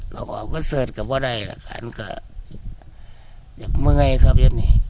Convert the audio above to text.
ลองออกก็เสิร์ชกับว่าได้ละกันก็ยังเมื่อยังไงครับอย่างนี้